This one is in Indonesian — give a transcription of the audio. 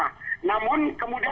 namun kemudian beberapa minggu kemudian